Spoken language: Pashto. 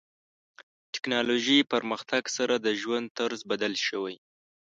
ټکنالوژي پرمختګ سره د ژوند طرز بدل شوی.